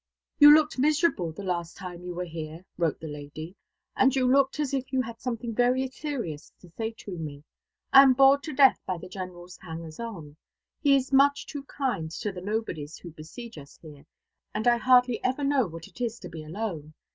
"You looked miserable the last time you were here," wrote the lady, "and you looked as if you had something very serious to say to me. I am bored to death by the General's hangers on he is much too kind to the nobodies who besiege us here and I hardly ever know what it is to be alone.